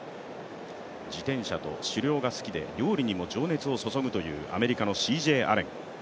自転車と狩猟が好きで料理にも情熱を注ぐというアメリカのＣＪ・アレン。